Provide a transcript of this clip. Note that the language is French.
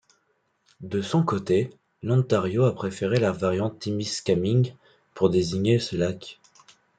De son côté l'Ontario a préféré la variante Timiskaming pour désigner ce lac.